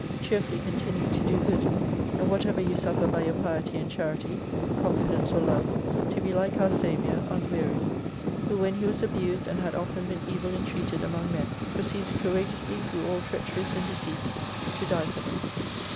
Cheerfully con tinuing to do good, and whatever you suffer by your piety and charity, confidence or love, to be like our Saviour, unwearied : who when He was abused and had often been evil intreated among men, proceeded courageously through all treacheries and deceits to die for them.